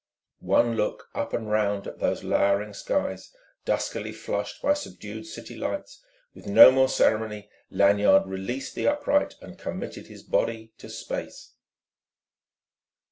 One look up and round at those louring skies, duskily flushed by subdued city lights: with no more ceremony Lanyard released the upright and committed his body to space.